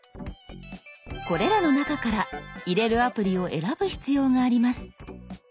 これらの中から入れるアプリを選ぶ必要があります。